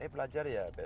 eh belajar ya